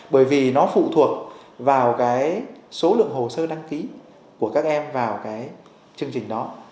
bởi vì nó phụ thuộc vào cái số lượng hồ sơ đăng ký của các em vào cái chương trình đó